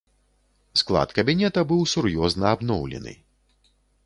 Склад кабінета быў сур'ёзна абноўлены.